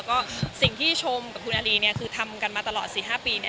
ก็สิ่งที่ชมกับคุณอารีเนี่ยคือทำกันมาตลอด๔๕ปีเนี่ย